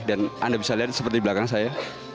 dan anda bisa lihat seperti di belakang saya